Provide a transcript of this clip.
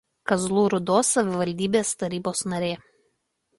Kazlų Rūdos savivaldybės tarybos narė.